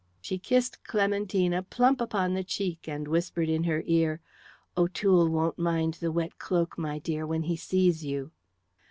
She kissed Clementina plump upon the cheek and whispered in her ear, "O'Toole won't mind the wet cloak, my dear, when he sees you."